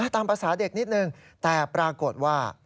ตามภาษาเด็กนิดนึงแต่ปรากฏว่า